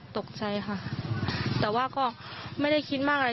ตกใจค่ะแต่ว่าก็ไม่ได้คิดมากอะไร